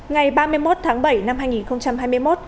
ngày ba mươi một tháng bảy năm hai nghìn hai mươi một